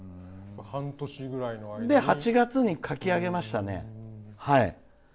で、８月ぐらいの間に書き上げましたね。